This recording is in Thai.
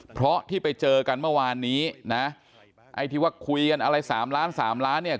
เพราะที่ไปเจอกันเมื่อวานนี้นะไอ้ที่ว่าคุยกันอะไรสามล้านสามล้านเนี่ย